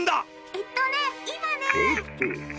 ☎えっとね今ねえ。